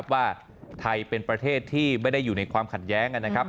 ว่าไทยเป็นประเทศที่ไม่ได้อยู่ในความขัดแย้ง